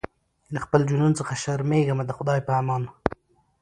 له خپل جنون څخه شرمېږمه د خدای په امان